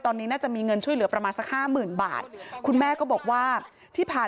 ตอนนี้น่าจะมีเงินช่วยเหลือประมาณสัก๕๐๐๐๐บาท